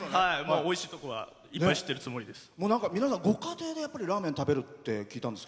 おいしいところはいっぱい知ってるつもりです。